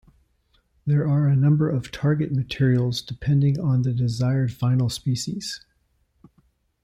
There are a number of target materials depending on the desired final species.